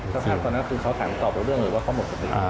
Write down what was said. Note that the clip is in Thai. เจ้าภาพตอนนั้นคือเค้าถามตอบเรื่องอะไรเค้าหมดศัพท์